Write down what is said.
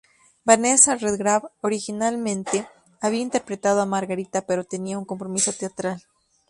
Vanessa Redgrave originalmente había interpretado a Margarita, pero tenía un compromiso teatral.